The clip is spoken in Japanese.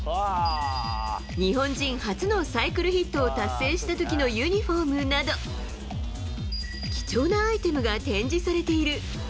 日本人初のサイクルヒットを達成したときのユニホームなど、貴重なアイテムが展示されている。